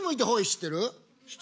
知ってる？